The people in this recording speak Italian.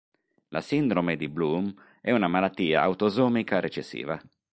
La sindrome di Bloom è una malattia autosomica recessiva.